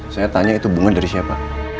saya tanya itu bunga dari siapa